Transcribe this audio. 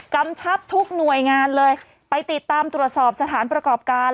กำชับทุกหน่วยงานเลยไปติดตามตรวจสอบสถานประกอบการ